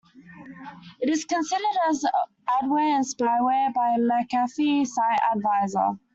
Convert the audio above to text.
It is considered as adware and spyware by McAfee Site Advisor.